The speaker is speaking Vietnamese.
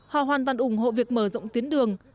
họ hoàn toàn ủng hộ việc mở rộng tuyến đường